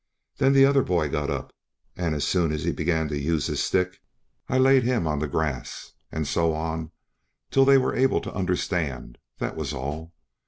Then the other boy got up, and as soon as he began to use his stick, I laid him on the grass, and so on, till they were able to understand, that was all.